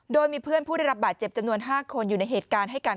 โดยมีเพื่อนผู้ได้รับบาดเจ็บจำนวน๕คนอยู่ในเหตุการณ์ให้กัน